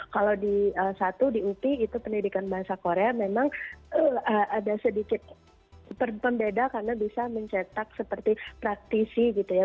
kalau di satu di upi itu pendidikan bahasa korea memang ada sedikit pembeda karena bisa mencetak seperti praktisi gitu ya